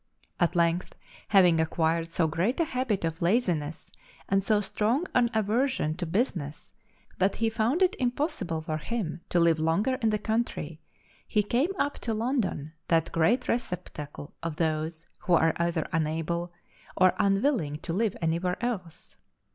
At length, having acquired so great a habit of laziness and so strong an aversion to business that he found it impossible for him to live longer in the country, he came up to London, that great receptacle of those who are either unable or unwilling to live anywhere else.